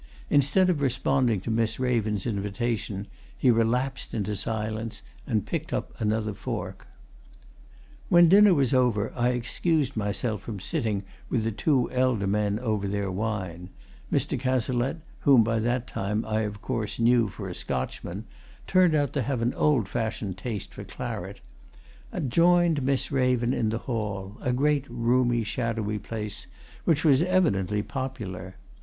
Instead of responding to Miss Raven's invitation he relapsed into silence, and picked up another fork. When dinner was over I excused myself from sitting with the two elder men over their wine Mr. Cazalette, whom by that time I, of course, knew for a Scotchman, turned out to have an old fashioned taste for claret and joined Miss Raven in the hall, a great, roomy, shadowy place which was evidently popular.